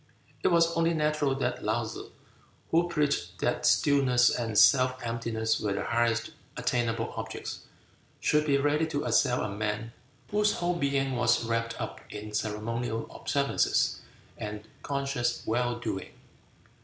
It was only natural that Laou tsze, who preached that stillness and self emptiness were the highest attainable objects, should be ready to assail a man whose whole being was wrapt up in ceremonial observances and conscious well doing.